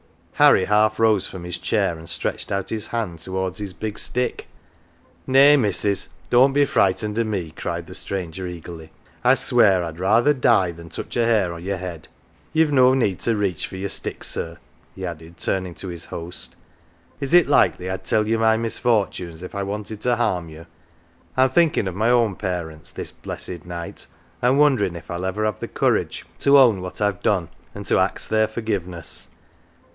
Harry half rose from his chair, and stretched out his hand towards his big stick. " Nay, missus, don't be frightened o' me," cried the stranger eagerly. " I swear I'd rather die than touch a hair o' your head. You've no need. to reach for your stick, sir," he added, turning to his host. " Is it likely I'd tell you my misfortunes if I wanted to harm you ? I'm thinkin' of my own parents this blessed night, an' wonderin' if I'll ever have the courage to own what I've done, and to ax their forgiveness."